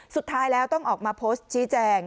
สุดท้ายแล้วต้องออกมาโพสต์ชี้แจง